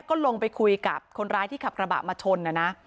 ก็ลงไปคุยกับคนร้ายที่ขับกระบะมาชนนะนะ